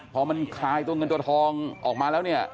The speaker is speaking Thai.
พอมันคลายตัวเงินตัวทองออกมาแล้วเนี่ย